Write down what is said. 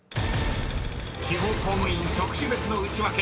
［地方公務員職種別のウチワケ］